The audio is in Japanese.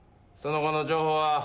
その後の情報は？